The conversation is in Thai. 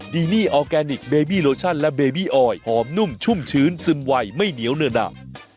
ดีนี่ออร์แกนิคเบบี้โลชั่นและเบบี้ออยหอมนุ่มชุ่มชื้นซึมไวไม่เหนียวเนื้อหนัก